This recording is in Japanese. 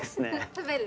食べる？